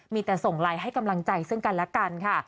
มีแต่ส่งไลน์ให้กำลังใจซึ่งกันและกันค่ะ